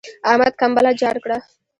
احمد کمبله جار کړه.